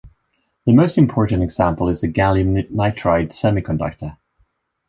The most important example is the gallium nitride semiconductor.